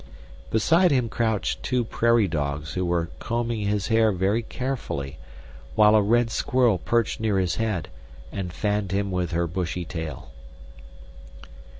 Beside him crouched two prairie dogs who were combing his hair very carefully, while a red squirrel perched near his head and fanned him with her bushy tail.